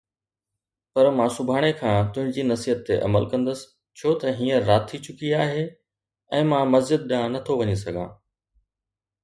پر مان سڀاڻي کان تنهنجي نصيحت تي عمل ڪندس، ڇو ته هينئر رات ٿي چڪي آهي ۽ مان مسجد ڏانهن نه ٿو وڃي سگهان